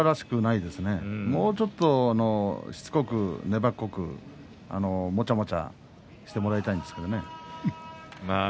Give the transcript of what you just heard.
もう少ししつこく粘っこくもちゃもちゃしてもらいたいんですけどね。